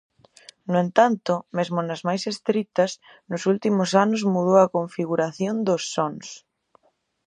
No entanto, mesmo nas máis estritas, nos últimos anos mudou a configuración dos sons.